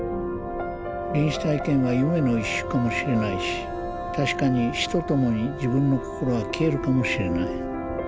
臨死体験は夢の一種かもしれないし確かに死とともに自分の心は消えるかもしれない。